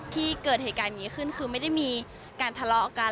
ที่เกิดเหตุการณ์อย่างนี้ขึ้นคือไม่ได้มีการทะเลาะกัน